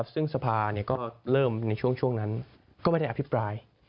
ซึ่งสภาก็เริ่มในช่วงนั้นก็ไม่ได้อภิปราย